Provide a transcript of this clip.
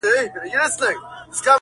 خو اوس دي گراني دا درسونه سخت كړل.